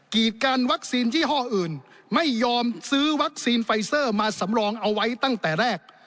กิจการวัคซีนยี่ห้ออื่นไม่ยอมซื้อวัคซีนไฟเซอร์มาสำรองเอาไว้ตั้งแต่แรก